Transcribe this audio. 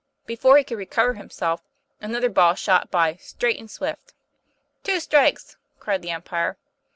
Before he could recover himself, another ball shot by, straight and swift. "Two strikes," cried the umpire.